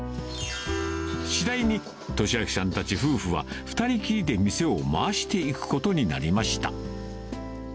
次第に利昭さんたち夫婦は、２人きりで店を回していくことになりました。